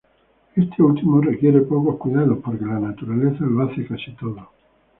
Este último requiere pocos cuidados, porque la naturaleza lo hace casi todo.